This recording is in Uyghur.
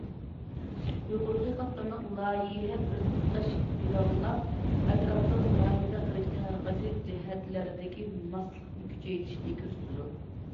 يۇقىرى قاتلاملىق لايىھە بىرتۇتاش پىلانلاپ، ئەتراپلىق مۇلاھىزە قىلىشنى، ھەر قايسى جەھەتلەردىكى ماسلىقنى كۈچەيتىشنى كۆرسىتىدۇ.